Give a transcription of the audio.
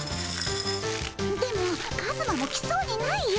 でもカズマも来そうにないよ。